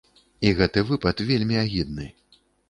І гэты выпад вельмі агідны.